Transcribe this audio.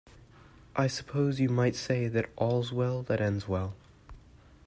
I suppose you might say that all's well that ends well.